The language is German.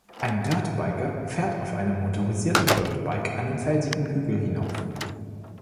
Ein Dirt Biker fährt auf einem motorisierten Dirt Bike einen felsigen Hügel hinauf